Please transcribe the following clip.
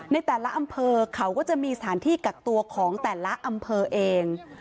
ในแต่ละอำเภอเขาก็จะมีสถานที่กักตัวของแต่ละอำเภอเอง